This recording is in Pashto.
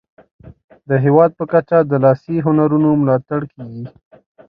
د هیواد په کچه د لاسي هنرونو ملاتړ کیږي.